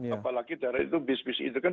apalagi daerah itu bis bis itu kan